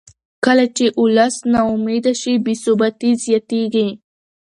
کله چې ولس نا امیده شي بې ثباتي زیاتېږي